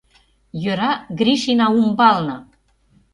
Йӧра, Гришина умбалне.